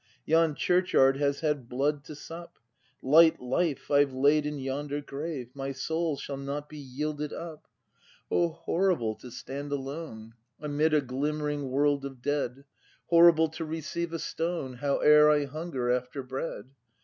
Yon churchyard has had blood to sup, Light, life I've laid in yonder grave; — My soul shall not be yielded up! ACT V] BRAND 247 O horrible to stand alone, — Amid a glimmering world of dead; Horrible to receive a stone, Howe'er I hunger after bread.